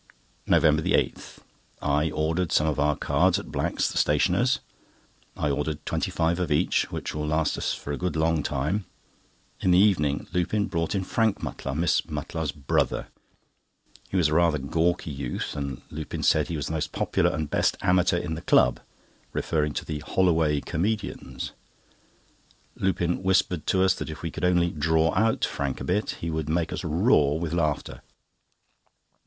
NOVEMBER 8.—I ordered some of our cards at Black's, the stationers. I ordered twenty five of each, which will last us for a good long time. In the evening, Lupin brought in Harry Mutlar, Miss Mutlar's brother. He was rather a gawky youth, and Lupin said he was the most popular and best amateur in the club, referring to the "Holloway Comedians." Lupin whispered to us that if we could only "draw out" Harry a bit, he would make us roar with laughter.